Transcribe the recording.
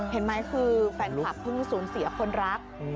เห็นไหมคือแฟนคลับเพิ่งสูญเสียคนรัก